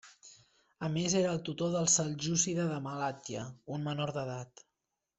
A més era el tutor del seljúcida de Malatya, un menor d'edat.